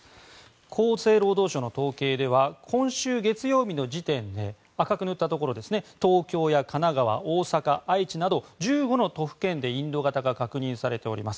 厚生労働省の統計では今週月曜日の時点で赤く塗ったところ東京や神奈川、大阪、愛知など１５の都府県でインド型が確認されております。